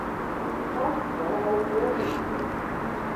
Hardcore aus Washington.